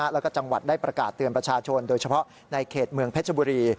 แล้วก็จังหวัดได้ประกาศเตือนประชาชนโดยเฉพาะในเขตเมืองเพชรบุรี